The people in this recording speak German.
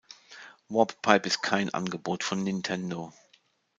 Warp Pipe ist kein Angebot von Nintendo.